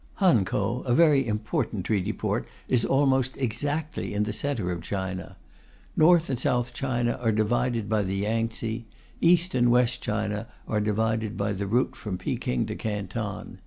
Hankow, a very important Treaty Port, is almost exactly in the centre of China. North and South China are divided by the Yangtze; East and West China are divided by the route from Peking to Canton.